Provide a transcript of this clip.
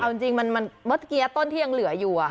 เอาจริงเมื่อกี้ต้นที่ยังเหลืออยู่